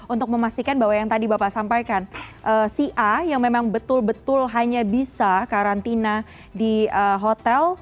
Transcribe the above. untuk memastikan bahwa yang tadi bapak sampaikan si a yang memang betul betul hanya bisa karantina di hotel